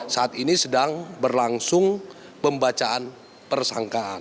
saat ini sedang berlangsung pembacaan persangkaan